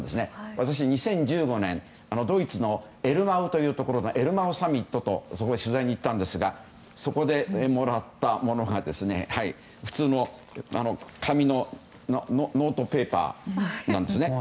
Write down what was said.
私、２０１５年ドイツのエルマウというところでエルマウサミットの取材に行きましたがそこでもらったものが普通の紙のノートペーパーなんですね。